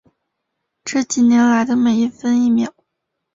这几年来的每一分一秒